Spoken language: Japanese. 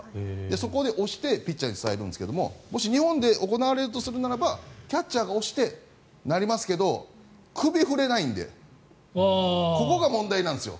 そこで押してピッチャーに伝えるんですがもし日本で行われるとするならばキャッチャーが押してってなりますけど首が振れないのでここが問題なんですよ。